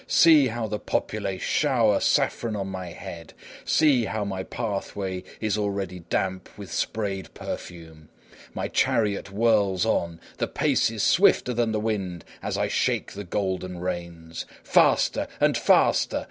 See how the populace shower saffron on my head! See how my pathway is already damp with sprayed perfume! My chariot whirls on; the pace is swifter than the wind as I shake the golden reins! Faster and faster!